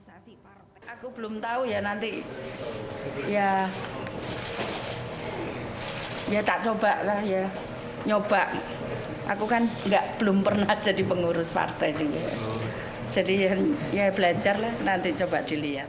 aku belum tahu ya nanti ya tak coba lah ya nyoba aku kan belum pernah jadi pengurus partai jadi ya belajar lah nanti coba dilihat